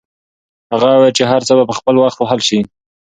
هغه وویل چې هر څه به په خپل وخت حل شي.